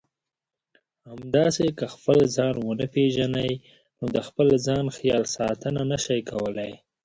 همداسې که خپل ځان ونه پېژنئ نو د خپل ځان خیال ساتنه نشئ کولای.